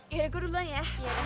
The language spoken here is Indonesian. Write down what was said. ya udah gue duluan ya